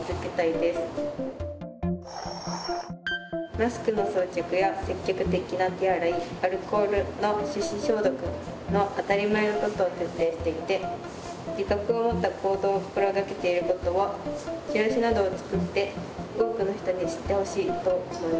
マスクの装着や積極的な手洗いアルコールの手指消毒の当たり前のことを徹底していて自覚を持った行動を心がけていることをチラシなどを作って多くの人に知ってほしいと思いました。